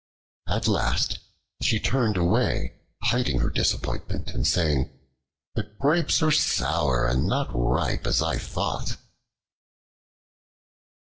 At last she turned away, hiding her disappointment and saying: "The Grapes are sour, and not ripe as I thought."